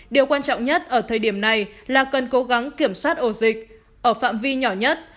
điều quan trọng nhất ở thời điểm này là cần cố gắng kiểm soát ổ dịch ở phạm vi nhỏ nhất